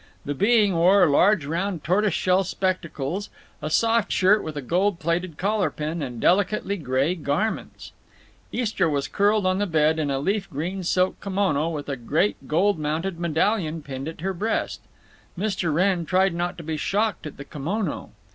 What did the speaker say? The being wore large round tortoise shell spectacles, a soft shirt with a gold plated collar pin, and delicately gray garments. Istra was curled on the bed in a leaf green silk kimono with a great gold mounted medallion pinned at her breast. Mr. Wrenn tried not to be shocked at the kimono.